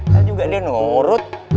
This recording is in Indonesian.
kan juga dia nurut